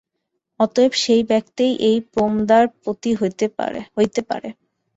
অতএব সেই ব্যক্তিই এই প্রমদার পতি হইতে পারে।